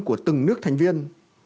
của từng nước thành viên